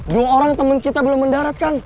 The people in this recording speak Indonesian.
dua orang teman kita belum mendarat kang